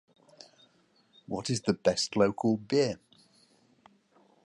What is the best local beer?